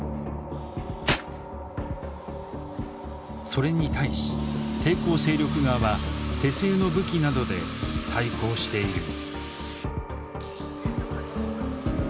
それに対し抵抗勢力側は手製の武器などで対抗している。